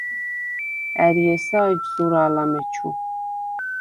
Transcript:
ა̈რი ესა̄ ეჯ ზურა̄ლ ამეჩუ?